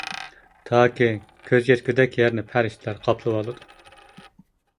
تاكى كۆز يەتكۈدەك يەرنى پەرىشتىلەر قاپلىۋالىدۇ.